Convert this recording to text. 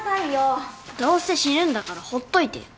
どうせ死ぬんだからほっといてよ。